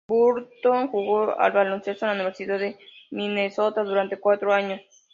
Burton jugó al baloncesto en la Universidad de Minnesota durante cuatro años.